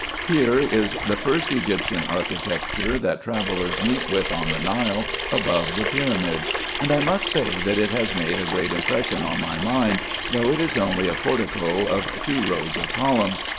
Here is the first Egyptian architecture that travellers meet with on the Nile above the pyramids ; and I must say, that it has made a great impression on my mind, though it is only a portico of two rows of columns.